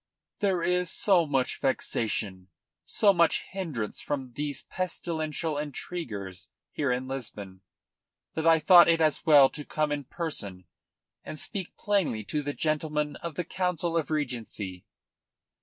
"There is so much vexation, so much hindrance from these pestilential intriguers here in Lisbon, that I have thought it as well to come in person and speak plainly to the gentlemen of the Council of Regency."